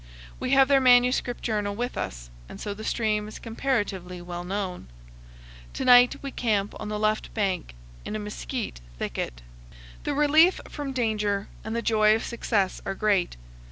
We have their manuscript journal with us, and so the stream is comparatively well known. To night we camp on the left bank, in a mesquite thicket. The relief from danger and the joy of success are great.